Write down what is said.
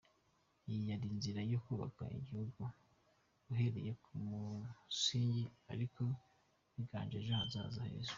Iyi yari inzira yo kubaka igihugu uhereye ku musingi ariko bigamije ejo hazaza heza.